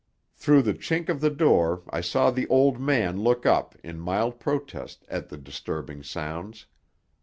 Through the chink of the door I saw the old man look up in mild protest at the disturbing sounds.